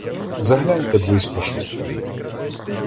— Загляньте близько шостої.